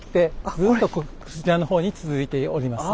ずっとこちらの方に続いております。